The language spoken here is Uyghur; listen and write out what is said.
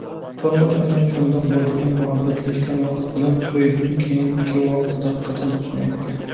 تۇرمۇش ئەنە شۇنداق بولىدىكەن، مۇھەببەتلەشكەن ۋاقىت بىلەن تويدىن كېيىنكى ۋاقىت ھەقىقەتەن ئوخشىمايدىكەن.